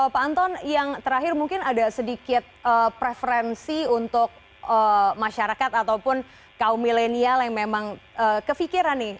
pak anton yang terakhir mungkin ada sedikit preferensi untuk masyarakat ataupun kaum milenial yang memang kefikiran nih